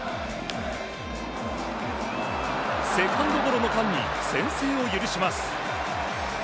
セカンドゴロの間に先制を許します。